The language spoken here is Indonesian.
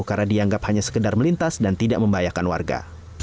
karena dianggap hanya sekedar melintas dan tidak membahayakan warga